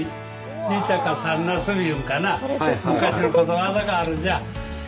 二たか三なすびいうんかな昔のことわざがあるんじゃ。